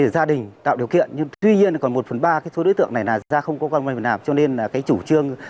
gia đình tạo điều kiện nhưng tuy nhiên còn một phần ba cái số đối tượng này là ra không có công an được làm cho nên là cái chủ trương